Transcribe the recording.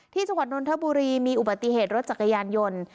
จังหวัดนนทบุรีมีอุบัติเหตุรถจักรยานยนต์